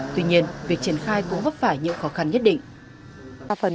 tuy nhiên việc triển khai cũng vấp phải những khó khăn nhất định